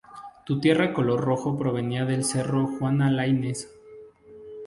Su tierra color rojo provenía del cerro Juana Laínez.